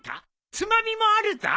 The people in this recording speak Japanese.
つまみもあるぞ。